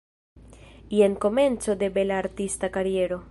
Jen komenco de bela artista kariero.